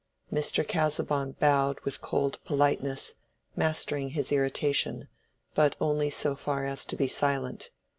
Mr. Casaubon bowed with cold politeness, mastering his irritation, but only so far as to be silent.